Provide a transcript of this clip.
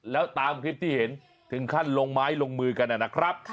แล้วตามคลิปที่เห็นถึงขั้นลงไม้ลงมือกันนะครับ